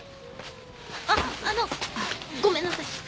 あっあのごめんなさい。